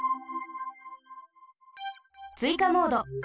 ついかモード。